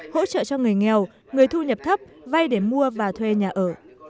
hỗ trợ cho người nghèo